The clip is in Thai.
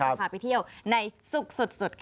เราพาไปเที่ยวในสุขสุดค่ะ